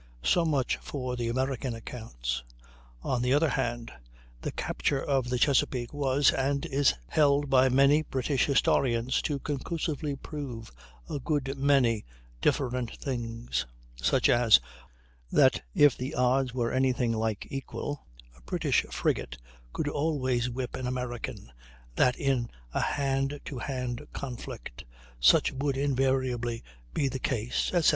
So much for the American accounts. On the other hand, the capture of the Chesapeake was, and is, held by many British historians to "conclusively prove" a good many different things; such as, that if the odds were anything like equal, a British frigate could always whip an American, that in a hand to hand conflict such would invariably be the case, etc.